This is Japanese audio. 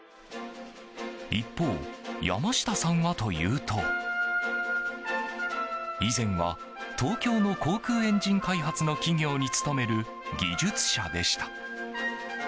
一方、山下さんはというと以前は東京の航空エンジン開発の企業に勤める技術者でした。